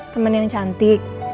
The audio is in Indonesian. temen yang cantik